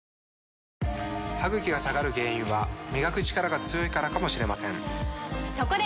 歯ぐきが下がる原因は磨くチカラが強いからかもしれませんそこで！